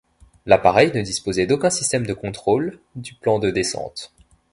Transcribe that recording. L'appareil ne disposait d'aucun système de contrôle du plan de descente.